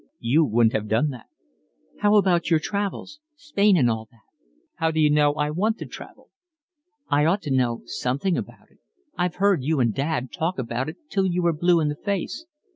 "You wouldn't have done that." "How about your travels, Spain and all that?" "How d'you know I want to travel?" "I ought to know something about it. I've heard you and Dad talk about it till you were blue in the face."